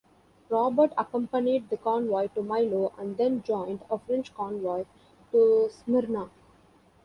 "Robert" accompanied the convoy to Milo and then joined a French convoy to Smyrna.